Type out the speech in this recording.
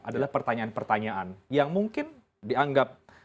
adalah pertanyaan pertanyaan yang mungkin dianggap